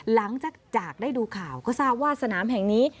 หลังจากได้ดูข่าวก็ทราบว่าสนามแห่งนี้